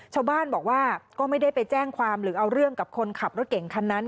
ชาวบ้านบอกว่าก็ไม่ได้ไปแจ้งความหรือเอาเรื่องกับคนขับรถเก่งคันนั้น